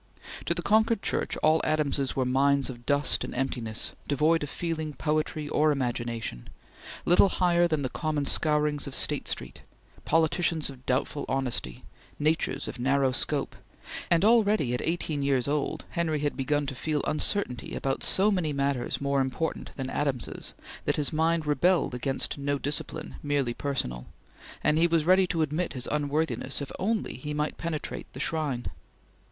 To the Concord Church all Adamses were minds of dust and emptiness, devoid of feeling, poetry or imagination; little higher than the common scourings of State Street; politicians of doubtful honesty; natures of narrow scope; and already, at eighteen years old, Henry had begun to feel uncertainty about so many matters more important than Adamses that his mind rebelled against no discipline merely personal, and he was ready to admit his unworthiness if only he might penetrate the shrine.